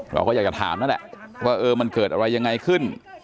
เราก็อยากจะถามนั่นแหละว่าเออมันเกิดอะไรยังไงขึ้น